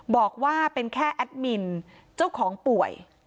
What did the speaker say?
บอกว่าเป็นแค่แอดมินเจ้าของป่วย